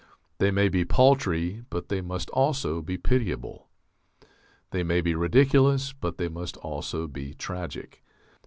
They may be paltry, but they must also be pitiable; they may be ridiculous, but they must also be tragic.